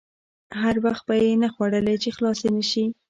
هر وخت به یې نه خوړلې چې خلاصې نه شي.